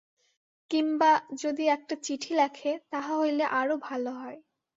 কিম্বা যদি একটা চিঠি লেখে, তাহা হইলে আরো ভালো হয়।